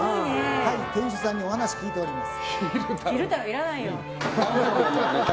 店主さんにお話を聞いております。